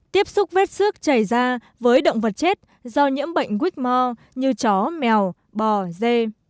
tiếp xúc vết xước chảy ra với động vật chết do nhiễm bệnh whitmore như chó mèo bò dê